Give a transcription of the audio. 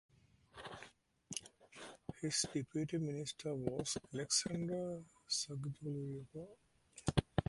His Deputy Minister was Alexander Sergeyevich Yakovlev.